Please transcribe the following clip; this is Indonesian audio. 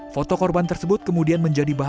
foto korban tersebut kemudian menyebutkan bahwa